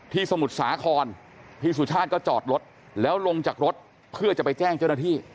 สมุทรสาครพี่สุชาติก็จอดรถแล้วลงจากรถเพื่อจะไปแจ้งเจ้าหน้าที่